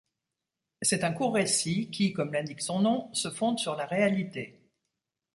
C'est un court récit qui, comme l'indique son nom, se fonde sur la réalité.